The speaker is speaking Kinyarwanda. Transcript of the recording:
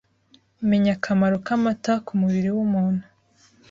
Menya akamaro k’amata k’umubiri w’umuntu